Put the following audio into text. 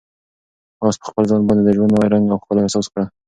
آس په خپل ځان باندې د ژوند نوی رنګ او ښکلا احساس کړه.